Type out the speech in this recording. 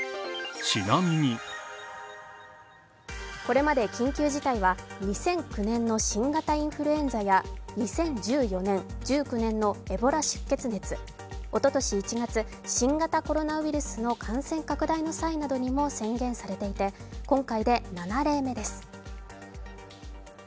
これまで緊急事態は２００９年の新型インフルエンザや２０１４年、１９年のエボラ出血熱、おととし１月新型コロナウイルスの感染拡大野際にも宣言されていて今回で７例目です。